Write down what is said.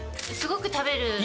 すごく食べる。